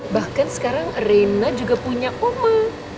bahkan sekarang rina juga punya oma